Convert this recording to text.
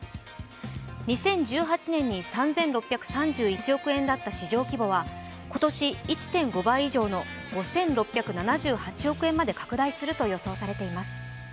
２０１８年に３６３１億円だった市場規模は今年１．５倍以上の５６７８億円まで拡大すると予想されています。